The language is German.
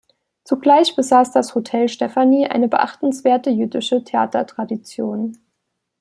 Zugleich besaß das Hotel Stefanie eine beachtenswerte jüdische Theatertradition.